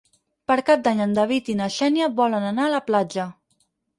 Per Cap d'Any en David i na Xènia volen anar a la platja.